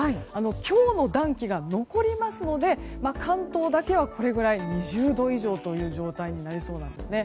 今日の暖気が残りますので関東だけは２０度以上という状態になりそうなんですね。